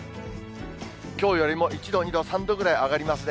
きょうよりも１度、２度、３度ぐらい上がりますね。